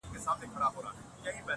يو يې خوب يو يې خوراك يو يې آرام وو!